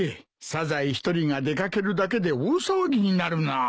サザエ１人が出掛けるだけで大騒ぎになるなぁ。